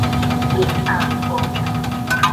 Je ago.